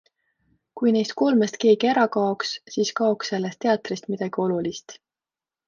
Kui neist kolmest keegi ära kaoks, siis kaoks sellest teatrist midagi olulist.